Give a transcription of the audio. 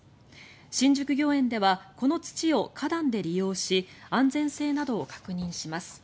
新宿御苑ではこの土を花壇で利用し安全性などを確認します。